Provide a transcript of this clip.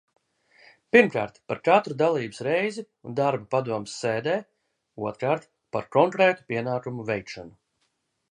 Pirmkārt, par katru dalības reizi un darbu padomes sēdē, otrkārt, par konkrētu pienākumu veikšanu.